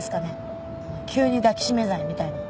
「急に抱きしめ罪」みたいな。